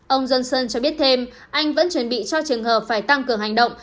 ông johnson cho biết thêm anh vẫn chuẩn bị cho trường hợp phải tăng cường hành động